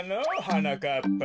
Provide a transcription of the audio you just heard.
はなかっぱ。